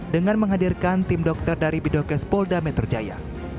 dengan menghadirkan tim dokter dari bidokespo dan metro jaya